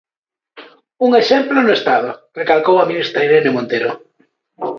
Un "exemplo" no Estado, recalcou a ministra Irene Montero.